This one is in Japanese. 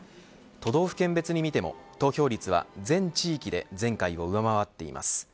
都道府県別に見ても、投票率は全地域で前回を上回っています。